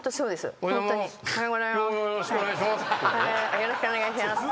「よろしくお願いします」